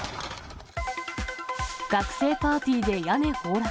学生パーティーで屋根崩落。